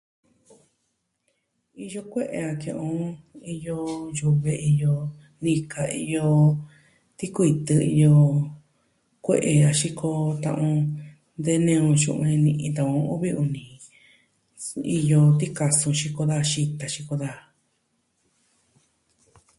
Iyo kue'e a ke'en o. Iyo yuve. Iyo nika. Iyo tikuitɨ. Iyo kue'e a xiko tan o. De nee o xu'un jen ni iin tan uvi uni. Su iyo tikasun, xiko daa xita xiko daa.